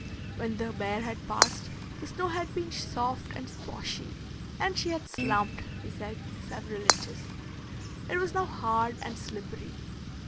When the bear had passed, the snow had been soft and sposhy, and she had "slumped," he said, several inches. It was now hard and slippery.